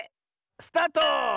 スタート！